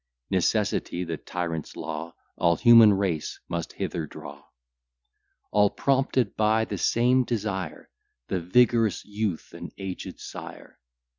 Necessity, the tyrant's law, All human race must hither draw; All prompted by the same desire, The vigorous youth and aged sire.